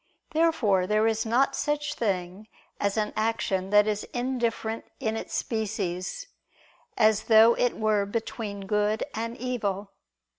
Therefore there is not such thing as an action that is indifferent in its species, as though it were between good and evil.